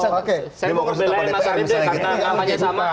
saya mau belain mas arief ini